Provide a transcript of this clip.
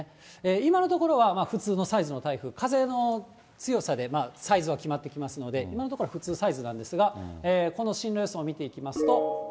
今のところは普通のサイズの台風、風の強さでサイズは決まってきますので、今のところは普通サイズなんですが、この進路予想を見ていきますと。